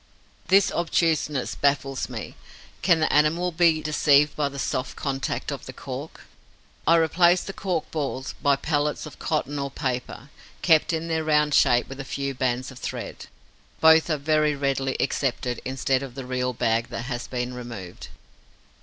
This obtuseness baffles me. Can the animal be deceived by the soft contact of the cork? I replace the cork balls by pellets of cotton or paper, kept in their round shape with a few bands of thread. Both are very readily accepted instead of the real bag that has been removed.